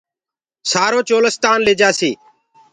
سآرو چولستآن ليجآسي